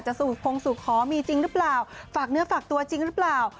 สูบคงสู่ขอมีจริงหรือเปล่าฝากเนื้อฝากตัวจริงหรือเปล่า